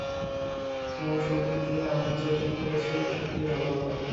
সম্ভাব্য সব দিক থেকেই আমি বিচার বিশ্লেষণ করেছি, এটাই সবথেকে ভালো উপায়।